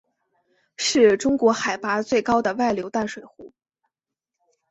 是中国海拔最高的外流淡水湖。